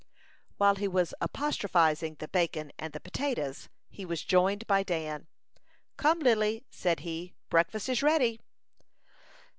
While he was apostrophizing the bacon and the potatoes, he was joined by Dan. "Come, Lily," said he; "breakfast is ready."